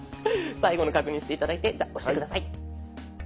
最後の確認して頂いてじゃあ押して下さい。